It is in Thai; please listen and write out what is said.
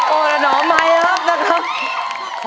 โอ้แล้วหนูมายอัพนะครับ